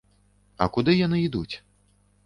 А куды яны ідуць?